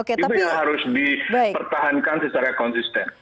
itu yang harus dipertahankan secara konsisten